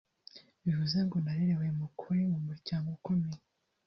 bivuze ngo narerewe mu kuri mu muryango ukomeye